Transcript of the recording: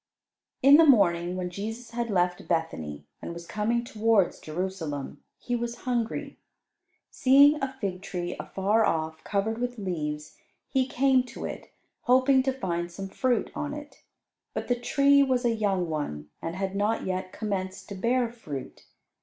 In the morning, when Jesus had left Bethany and was coming towards Jerusalem, He was hungry. Seeing a fig tree afar off, covered with leaves, He came to it, hoping to find some fruit on it. But the tree was a young one, and had not yet commenced to bear fruit.